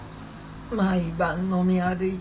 毎晩飲み歩いて。